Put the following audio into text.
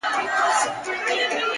خوشحال په دې دى چي دا ستا خاوند دی ـ